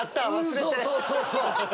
そうそうそうそう。